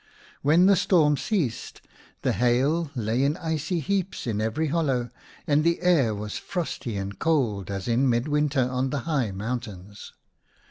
When the storm ceased the hail lay in icy heaps in every hollow, and the air was frosty and cold as in mid winter on the high mountains.